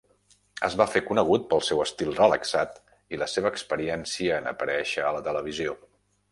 Es va fer conegut pel seu estil relaxat i la seva experiència en aparèixer a la televisió.